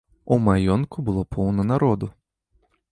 У маёнтку было поўна народу.